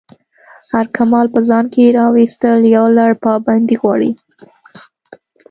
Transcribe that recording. هر کمال په ځان کی راویستل یو لَړ پابندی غواړی.